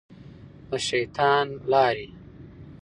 د شیطان لارې.